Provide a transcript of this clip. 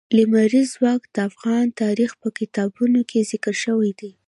لمریز ځواک د افغان تاریخ په کتابونو کې ذکر شوی دي.